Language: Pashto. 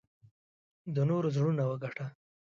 د نورو زړونه وګټه .